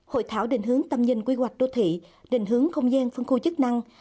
hội thảo đình hướng tâm nhân quy hoạch đô thị đình hướng không gian phân khu chức năng